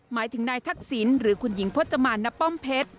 หมายถึงนายทักษิณหรือคุณหญิงพจมานณป้อมเพชร